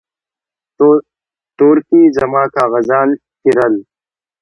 تورکي زما کاغذان څيرل.